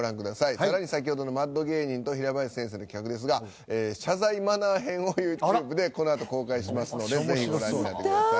更に先ほどのマッド芸人と平林先生の企画ですが謝罪マナー編をユーチューブでこのあと公開しますのでぜひご覧になってください。